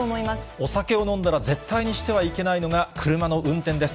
お酒を飲んだら絶対にしてはいけないのが車の運転です。